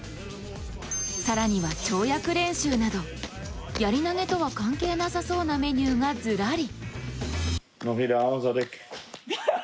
更には跳躍練習など、やり投とは関係なさそうなメニューがずらり。